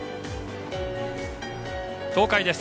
東海です。